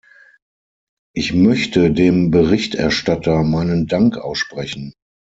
Ich möchte dem Berichterstatter meinen Dank aussprechen.